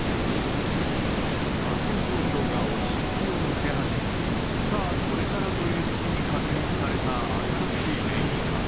感染状況が落ち着きを見せ始め、さあこれからというときに確認された新しい変異株。